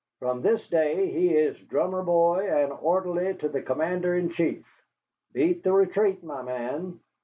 From this day he is drummer boy and orderly to the Commander in chief. Beat the retreat, my man."